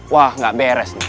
wah gak beres nih